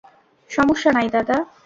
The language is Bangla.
সমস্যা নাই, দাদা।